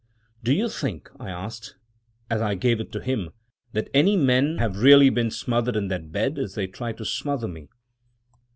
"Do you think," I asked, as I gave it to him, "that any men have really been smothered in that bed, as they tried to smother me?